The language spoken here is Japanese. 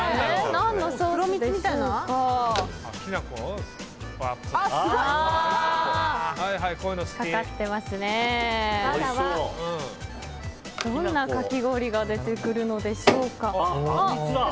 どんなかき氷が出てくるんでしょうか。